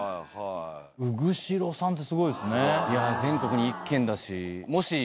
天宮城さんってすごいですね。